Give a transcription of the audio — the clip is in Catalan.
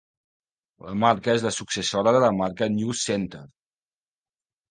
La marca és la successora de la marca NewsCenter.